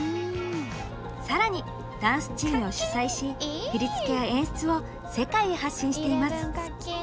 さらに、ダンスチームを主宰し振り付けや演出を世界へ発信しています！